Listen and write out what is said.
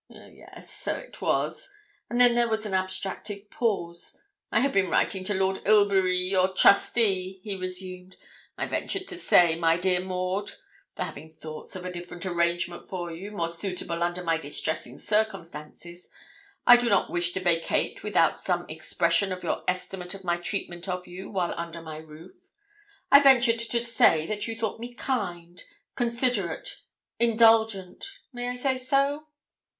'Oh yes, so it was;' and then there was an abstracted pause. 'I have been writing to Lord Ilbury, your trustee,' he resumed. I ventured to say, my dear Maud (for having thoughts of a different arrangement for you, more suitable under my distressing circumstances, I do not wish to vacate without some expression of your estimate of my treatment of you while under my roof) I ventured to say that you thought me kind, considerate, indulgent, may I say so?'